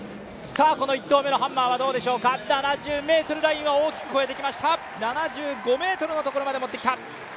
この１投目のハンマーはどうでしょうか、７０ｍラインは大きく越えてきました７５ｍのところまでもってきた。